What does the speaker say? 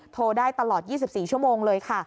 โทรได้ตลอด๒๔ชั่วโมงเลยค่ะ